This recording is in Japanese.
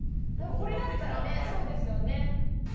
これだったらね、そうですよね。